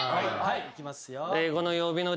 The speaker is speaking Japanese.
いきますよ。